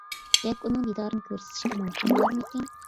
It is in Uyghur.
ياكى ئۇنىڭ دىدارىنى كۆرسىتىشكە مۇمكىن بولارمىكىن؟